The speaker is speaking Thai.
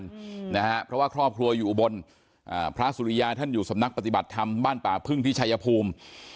อืมนะฮะเพราะว่าครอบครัวอยู่อุบลอ่าพระสุริยาท่านอยู่สำนักปฏิบัติธรรมบ้านป่าพึ่งที่ชายภูมิ